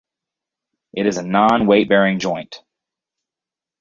It is a non-weight bearing joint.